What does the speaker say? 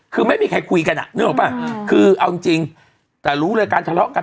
คือไม่มีใครคุยกันอ่ะนึกออกป่ะคือเอาจริงแต่รู้เลยการทะเลาะกัน